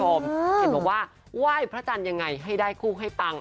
เห็นบอกว่าไหว้พระจันทร์ยังไงให้ได้คู่ให้ปัง